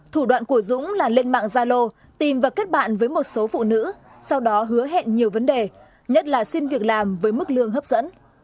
thủ đoạn của dũng là lên mạng gia lô tìm và kết bạn với một số phụ nữ sau đó hứa hẹn nhiều vấn đề nhất là xin việc làm với mức lương hấp dẫn